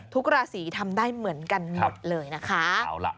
ทุกราศีทำได้เหมือนกันหมดเลยนะคะ